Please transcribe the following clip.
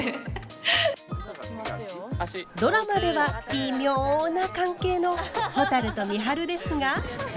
ドラマではビミョな関係のほたると美晴ですが。